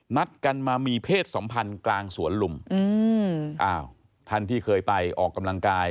นัดกันมามีเพศสัมพันธ์กลางสวนลุมอืมอ้าวท่านที่เคยไปออกกำลังกาย